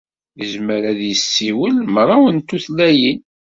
Yezmer ad yessiwel mraw n tutlayin.